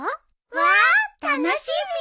わあ楽しみ！